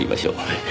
はい。